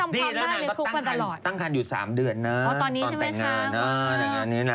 นี่แล้วนานก็ตั้งครรภ์อยู่๓เดือนนะตอนแต่งงานนะแต่งงานนี้นะ